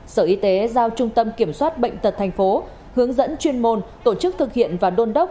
sở y tế giao trung tâm kiểm soát bệnh tật tp hcm hướng dẫn chuyên môn tổ chức thực hiện và đôn đốc